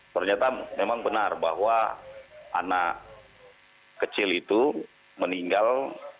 ternyata memang benar bahwa anak kecil itu meninggal